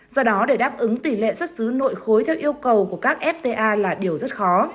do đó để đáp ứng tỷ lệ xuất xứ nội khối theo yêu cầu của các fta là điều rất khó